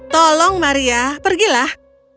tolong maria pergilah